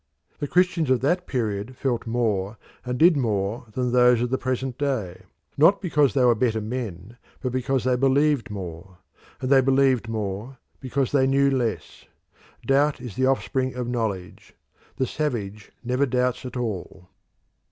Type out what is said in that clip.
The Christians of that period felt more and did more than those of the present day, not because they were better men but because they believed more; and they believed more because they knew less. Doubt is the offspring of knowledge: the savage never doubts at all.